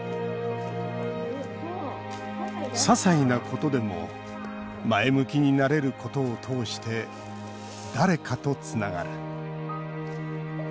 ささいなことでも前向きになれることを通して誰かとつながる。